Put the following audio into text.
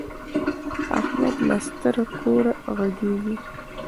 احمد له ستره کوره غږيږي.